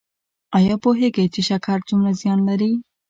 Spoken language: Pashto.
ایا پوهیږئ چې شکر څومره زیان لري؟